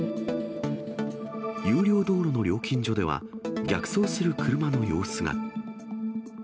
有料道路の料金所では、逆走する車の様子が。